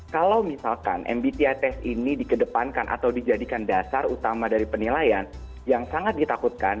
kalau misalkan mbti tes ini dikedepankan atau dijadikan dasar utama dari penilaian yang sangat ditakutkan